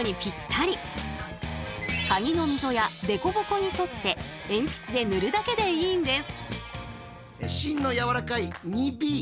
鍵の溝や凸凹に沿って鉛筆で塗るだけでいいんです。